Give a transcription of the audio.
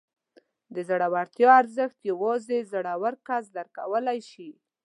د زړورتیا ارزښت یوازې زړور کس درک کولی شي.